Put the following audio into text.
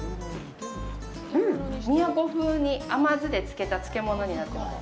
宮古風に甘酢でつけた漬物になってます。